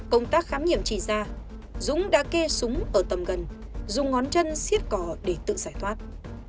công tác khám nghiệm chỉ ra dũng đã kê súng ở tầm gần dùng ngón chân xiết cỏ để tự giải thoát